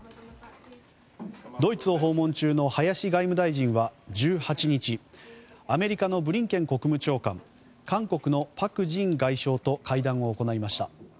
ドイツを訪問中の林外務大臣は１８日アメリカのブリンケン国務長官韓国のパク・ジン外相と会談を行いました。